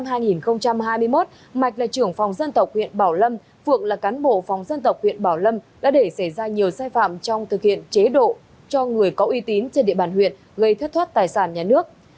phan văn mạch là trưởng phòng dân tộc huyện bảo lâm phượng là cán bộ phòng dân tộc huyện bảo lâm đã để xảy ra nhiều sai phạm trong thực hiện chế độ cho người có uy tín trên địa bàn huyện gây thất thoát tài sản nhà nước